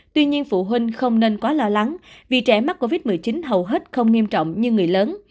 tuy nhiên phụ huynh không nên quá lo lắng vì trẻ mắc covid một mươi chín hầu hết không nghiêm trọng như người lớn